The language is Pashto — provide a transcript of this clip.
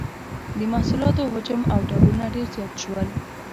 د محصولاتو حجم او ډولونه ډیر زیات شول.